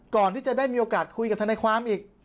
ก่อนที่จะได้มีโอกาสคุยกับทนายความอีก